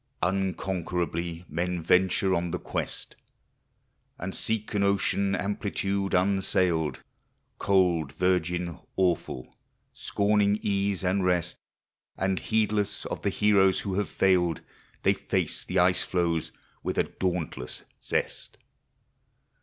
Unconquerably, men venture on the quest And seek an ocean amplitude ansa i led. Cold, virgin, awful. Scorning case and rest, And heedless of the heroes who have failed, They face the iee Hoes with a dauntless zest.